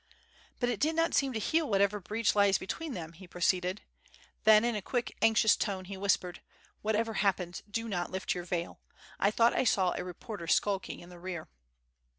"But it did not seem to heal whatever breach lies between them," he proceeded. Then, in a quick, anxious tone, he whispered: "Whatever happens, do not lift your veil. I thought I saw a reporter skulking in the rear."